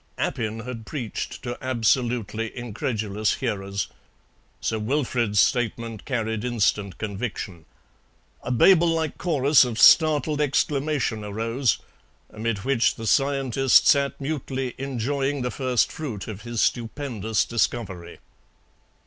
Appin had preached to absolutely incredulous hearers; Sir Wilfrid's statement carried instant conviction. A Babel like chorus of startled exclamation arose, amid which the scientist sat mutely enjoying the first fruit of his stupendous discovery.